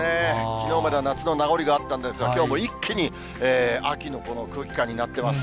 きのうまでは夏の名残があったんですが、きょうは一気に秋のこの空気感になってます。